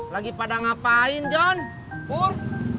lagi pada ngapain john pur